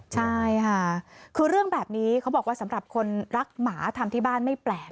ใช่ค่ะคือเรื่องแบบนี้เขาบอกว่าสำหรับคนรักหมาทำที่บ้านไม่แปลก